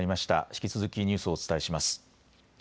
引き続きニュースをお伝えします。